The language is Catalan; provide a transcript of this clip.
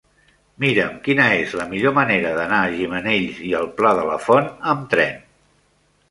Mira'm quina és la millor manera d'anar a Gimenells i el Pla de la Font amb tren.